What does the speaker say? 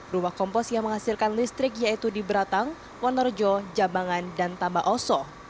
rumah kompos yang menghasilkan listrik yaitu di beratang wonerjo jambangan dan tamba oso